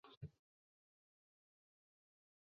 看着外婆慈祥的笑容